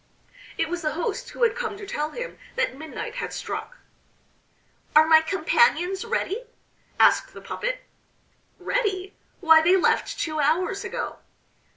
It was the host who had come to tell him that midnight had struck. "Are my companions ready?" asked the puppet. "Ready! Why, they left two hours ago."